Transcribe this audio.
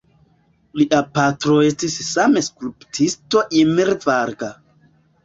Lia patro estis same skulptisto Imre Varga.